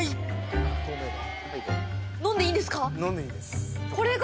飲んでいいです。